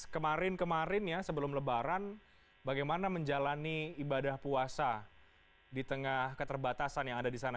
kemarin kemarin ya sebelum lebaran bagaimana menjalani ibadah puasa di tengah keterbatasan yang ada di sana